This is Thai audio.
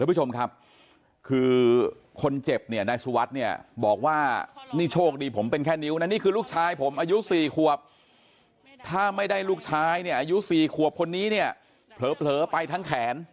ผู้ชมครับคือคนเจ็บเนี่ยนายสุวัสดิ์เนี่ยบอกว่านี่โชคดีผมเป็นแค่นิ้วนะนี่คือลูกชายผมอายุ๔ขวบถ้าไม่ได้ลูกชายเนี่ยอายุ๔ขวบคนนี้เนี่ยเผลอไปทั้งแขน